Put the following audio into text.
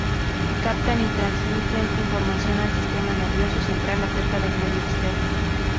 Captan y transmiten información al sistema nervioso central acerca del medio externo.